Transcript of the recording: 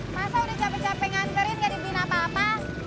masa udah capek capek ngantarin jadi bina apa apa